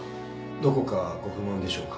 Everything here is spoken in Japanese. ・どこかご不満でしょうか？